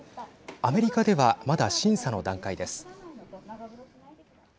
アメリカではまだ審査の段階です。